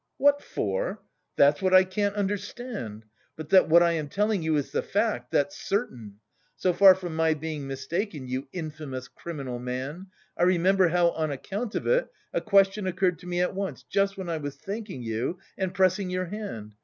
"What for? That's what I can't understand, but that what I am telling you is the fact, that's certain! So far from my being mistaken, you infamous criminal man, I remember how, on account of it, a question occurred to me at once, just when I was thanking you and pressing your hand.